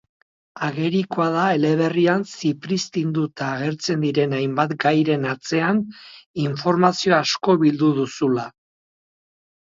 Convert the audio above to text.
Agerikoa da eleberrian zipriztinduta agertzen diren hainbat gairen atzean informazio asko bildu duzula.